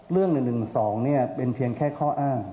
เรื่อง๑๑๒เป็นเพียงแค่ข้ออ้าง